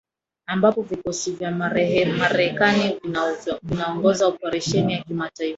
ambapo vikosi vya marekani vinaongoza oparesheni ya kimataifa